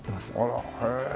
あらへえ。